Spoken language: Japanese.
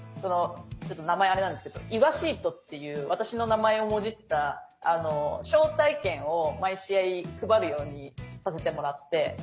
ちょっと名前あれなんですけど「イワシート」っていう私の名前をもじった招待券を毎試合配るようにさせてもらって。